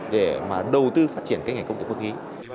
để mà đầu tư phát triển các ngành công nghiệp cơ khí